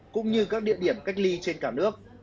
cũng như các địa điểm cách ly trên cả nước